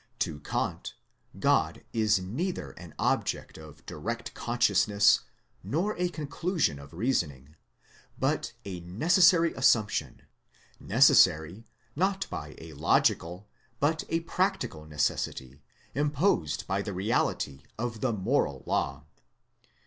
To Kant, God is neither an object of direct consciousness nor a conclusion of reasoning, but a Necessary Assump tion ; necessary, not by a logical, but a practical necessity, imposed by the reality of the Moral Law.